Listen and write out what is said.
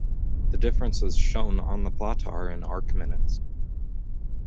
The differences shown on the plot are in arc minutes.